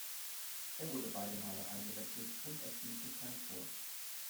Er wurde beide Male eingewechselt und erzielte kein Tor.